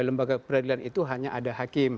lembaga peradilan itu hanya ada hakim